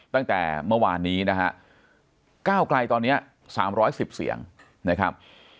ตั้งแต่เมื่อวานนี้นะฮะก้าวไกลตอนนี้๓๑๐เสียงนะครับ